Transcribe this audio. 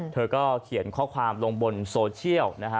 เธอก็เขียนข้อความลงบนโซเชียลนะฮะ